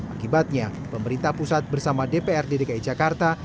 akibatnya pemerintah pusat bersama dprd dki jakarta